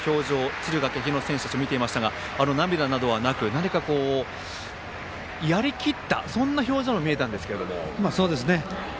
敦賀気比の選手たちを見ていましたが涙などはなく何かやりきったそんな表情に見えましたが。